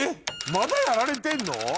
まだやられてんの？